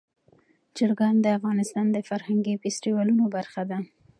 چرګان د افغانستان د فرهنګي فستیوالونو برخه ده.